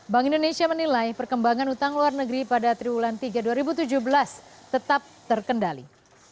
bank indonesia menilai perkembangan utang luar negeri pada triwulan tiga dua ribu tujuh belas tetap terkendali